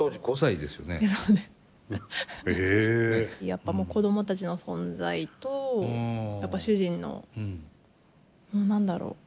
やっぱもう子供たちの存在とやっぱ主人の何だろう